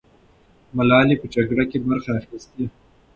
ملالۍ په جګړه کې برخه اخیستې.